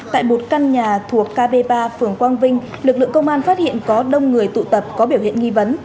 tại một căn nhà thuộc kb ba phường quang vinh lực lượng công an phát hiện có đông người tụ tập có biểu hiện nghi vấn